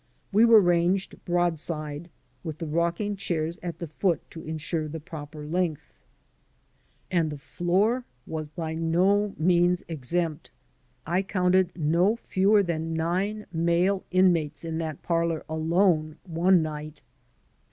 We were ranged broadside, with the rocking chairs at the foot to insure the proper length. 72 THE IMMIGRANT'S AMERICA And the floor was by no means exempt. I counted no fewer than nine male inmates in that parlor alone one night.